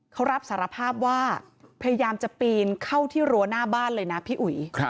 เขารับสารภาพว่าพยายามจะปีนเข้าที่รั้วหน้าบ้านเลยนะพี่อุ๋ย